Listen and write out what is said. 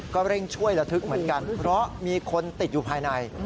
ก็เร่งช่วยระทึกเหมือนกันเพราะมีคนติดอยู่ภายใน